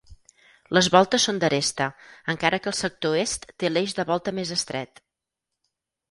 Les voltes són d'aresta, encara que al sector est té l'eix de volta més estret.